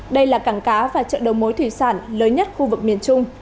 đây là cảng cá và chợ đầu mối thủy sản lớn nhất khu vực miền trung